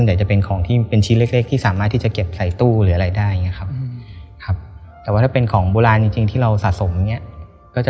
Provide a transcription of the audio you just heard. ส่วนแต่จะเป็นของที่มีเป็นชิ้นเล็ก